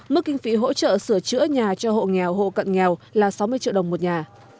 mức kinh phí hỗ trợ sửa chữa nhà cho hộ nghèo hộ cận nghèo là sáu mươi triệu đồng một nhà